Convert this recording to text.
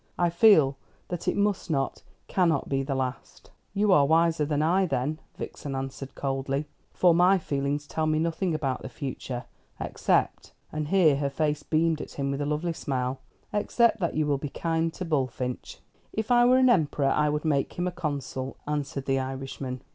I feel that it must not, cannot be the last." "You are wiser than I, then," Vixen answered coldly; "for my feelings tell me nothing about the future except" and here her face beamed at him with a lovely smile "except that you will be kind to Bullfinch." "If I were an emperor I would make him a consul," answered the Irishman.